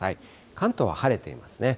関東は晴れていますね。